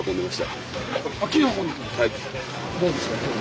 どうですか？